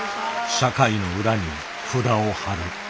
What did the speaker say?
社会の裏に札をはる。